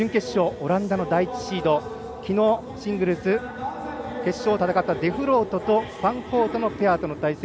オランダの第１シード昨日、シングルス決勝戦ったデフロートとファンコートとの対戦。